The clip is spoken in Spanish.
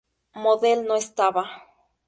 Model no estaba.